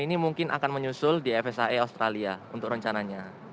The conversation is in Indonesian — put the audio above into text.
ini mungkin akan menyusul di fsa australia untuk rencananya